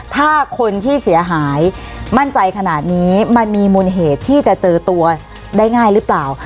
ถ้าคนที่เสียหายมั่นใจขนาดนี้มันมีมูลเหตุที่จะเจอตัวได้ง่ายหรือเปล่า